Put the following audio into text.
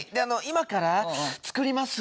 今から作ります。